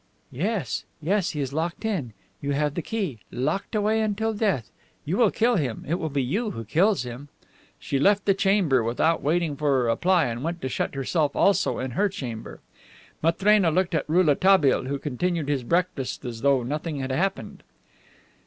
"Yes, yes; he is locked in. You have the key. Locked away until death! You will kill him. It will be you who kills him." She left the table without waiting for a reply and went and shut herself also in her chamber. Matrena looked at Rouletabille, who continued his breakfast as though nothing had happened.